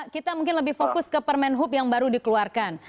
kita mungkin lebih fokus ke permen hub yang baru dikeluarkan